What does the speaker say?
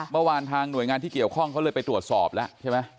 เมื่อวานทางหน่วยงานที่เกี่ยวข้องเขาเลยไปตรวจสอบแล้วใช่ไหม